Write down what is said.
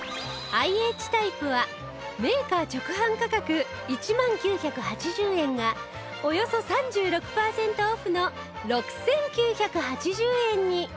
ＩＨ タイプはメーカー直販価格１万９８０円がおよそ３６パーセントオフの６９８０円に